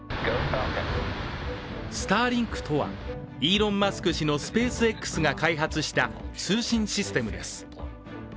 スターリンクとは、イーロン・マスク氏のスペースＸが開発した通信システムです。